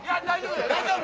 大丈夫？